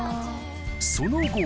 その後。